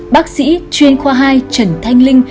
bác sĩ chuyên khoa hai trần thanh linh